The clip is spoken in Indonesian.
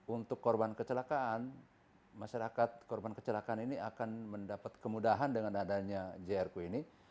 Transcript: untuk korban kecelakaan masyarakat korban kecelakaan ini akan mendapat kemudahan dengan adanya jrq ini